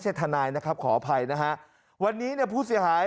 ให้ได้รับรู้ว่า